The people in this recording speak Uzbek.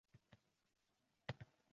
Ratsional fikrlash